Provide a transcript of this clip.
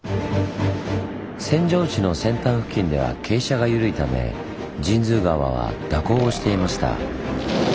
扇状地の扇端付近では傾斜が緩いため神通川は蛇行をしていました。